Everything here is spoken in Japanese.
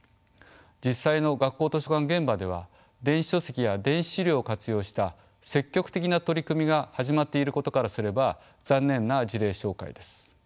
実際の学校図書館現場では電子書籍や電子資料を活用した積極的な取り組みが始まっていることからすれば残念な事例紹介です。